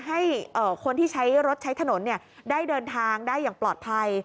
ให้คนที่ใช้รถใช้ถนนได้เดินทางได้อย่างปลอดภัย